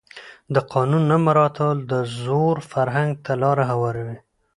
د قانون نه مراعت د زور فرهنګ ته لاره هواروي